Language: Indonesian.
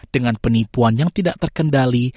dengan penipuan yang tidak terkendali